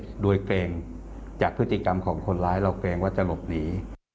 ด้วยเกรงจากพฤติกรรมของคนร้ายเราเกรงว่าจะหลบหนี